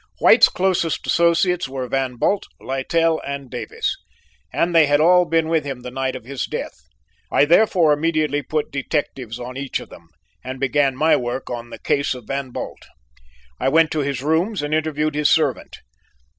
"White's closest associates were Van Bult, Littell, and Davis, and they had all been with him the night of his death. I therefore immediately put detectives on each of them and began my work on the case of Van Bult. I went to his rooms and interviewed his servant.